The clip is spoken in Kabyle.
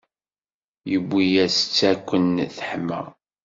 Yewwi-yas-tt akken teḥma.